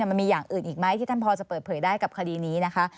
มันมีอย่างอื่นอีกไหมที่ท่านพอจะเปิดเผยได้กับคดีนี้นะคะ